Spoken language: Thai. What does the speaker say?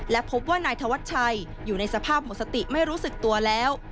และพบว่านายธวัชชัยอยู่ในสภาพหมดสติไม่รู้สึกตัวแล้ว